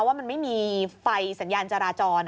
ว่ามันไม่มีไฟสัญญาณจราจร